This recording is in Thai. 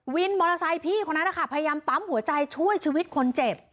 วินมอเตอร์ไซค์พี่คนนั้นนะคะพยายามปั๊มหัวใจช่วยชีวิตคนเจ็บ